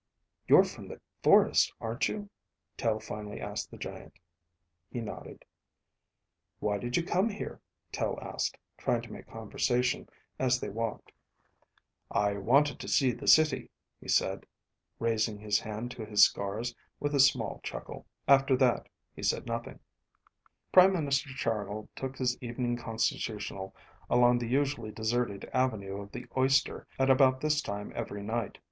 "You're from the forest, aren't you?" Tel finally asked the giant. He nodded. "Why did you come here?" Tel asked, trying to make conversation as they walked. "I wanted to see the city," he said, raising his hand to his scars with a small chuckle. After that, he said nothing. Prime Minister Chargill took his evening constitutional along the usually deserted Avenue of the Oyster at about this time every night.